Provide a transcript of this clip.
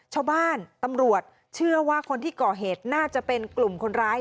ชาวบ้านตำรวจเชื่อว่าคนที่ก่อเหตุน่าจะเป็นกลุ่มคนร้าย